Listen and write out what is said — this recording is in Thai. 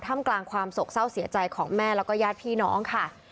กลางความโศกเศร้าเสียใจของแม่แล้วก็ญาติพี่น้องค่ะ